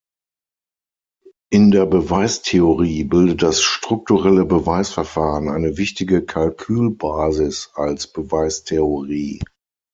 In der Beweistheorie bildet das strukturelle Beweisverfahren eine wichtige Kalkül-Basis als Beweistheorie.